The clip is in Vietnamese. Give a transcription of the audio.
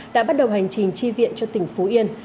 đã bắt đầu hành trình chi viện cho tỉnh phú yên